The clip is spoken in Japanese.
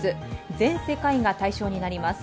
全世界が対象になります。